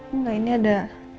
enggak ini ada